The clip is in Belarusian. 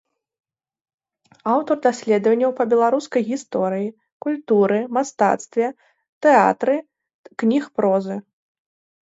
Аўтар даследаванняў па беларускай гісторыі, культуры, мастацтве, тэатры, кніг прозы.